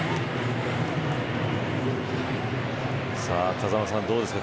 風間さん、どうですか。